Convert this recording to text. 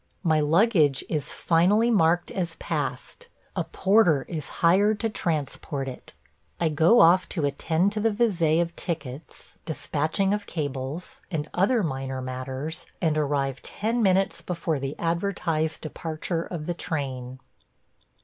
My luggage is finally marked as passed; a porter is hired to transport it; I go off to attend to the visé of tickets, despatching of cables, and other minor matters, and arrive ten minutes before the advertised departure of the train.